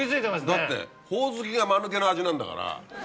だってほおずきがまぬけな味なんだから。